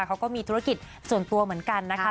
เขาก็มีธุรกิจส่วนตัวเหมือนกันนะคะ